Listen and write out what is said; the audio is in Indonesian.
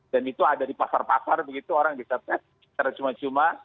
dan itu ada di pasar pasar begitu orang bisa tes secara cuma cuma